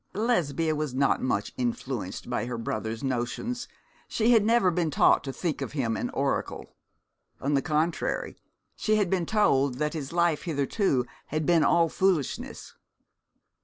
Lesbia was not much influenced by her brother's notions, she had never been taught to think him an oracle. On the contrary, she had been told that his life hitherto had been all foolishness.